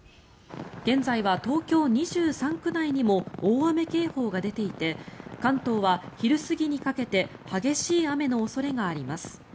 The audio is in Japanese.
現在は東京２３区内にも大雨警報が出ていて関東は昼過ぎにかけて激しい雨の恐れがあります。